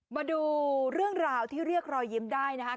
มาดูเรื่องราวที่เรียกรอยยิ้มได้นะครับ